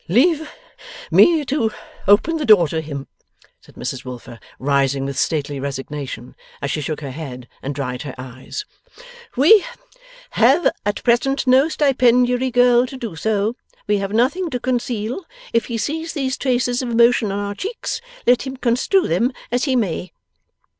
'Leave Me to open the door to him,' said Mrs Wilfer, rising with stately resignation as she shook her head and dried her eyes; 'we have at present no stipendiary girl to do so. We have nothing to conceal. If he sees these traces of emotion on our cheeks, let him construe them as he may.